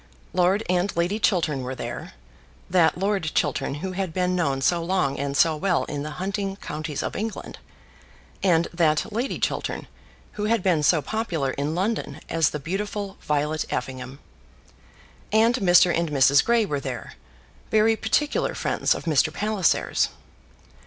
Lord and Lady Chiltern were there, that Lord Chiltern who had been known so long and so well in the hunting counties of England, and that Lady Chiltern who had been so popular in London as the beautiful Violet Effingham; and Mr. and Mrs. Grey were there, very particular friends of Mr. Palliser's.